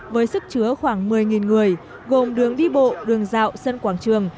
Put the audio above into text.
với sức chứa khoảng một mươi người gồm đường đi bộ đường dạo sân quảng trường